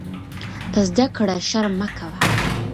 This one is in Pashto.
په زده کړه شرم مه کوۀ.